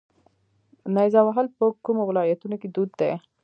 نیزه وهل په کومو ولایتونو کې دود دي؟